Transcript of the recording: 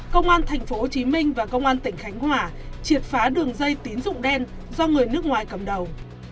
công an tp hcm và công an tỉnh khánh hòa triệt phá đường dây tín dụng đen do người nước ngoài cầm đầu